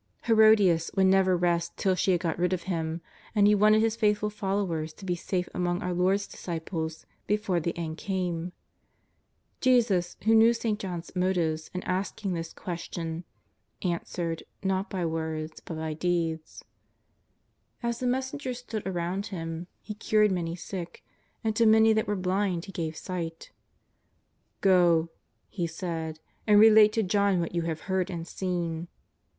Herodias would never rest till she had got rid of him, and he wanted his faithful followers to be safe among our Lord's disciples before the end came. Jesus, who knew St. John's motives in asking this ques JESUS OF NAZAEETH. 233 tion, answered, not by words but by deeds. As the messengers stood around Him, He cured many sick, and lo many that were blind He gave sight :'^ Go,'' He said, '' and relate to John what you have heard and seen.''